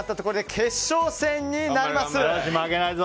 決勝戦になります。